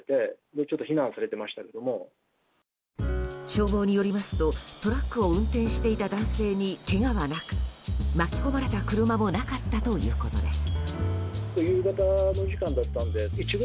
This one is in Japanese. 消防によりますとトラックを運転していた男性にけがはなく、巻き込まれた車もなかったということです。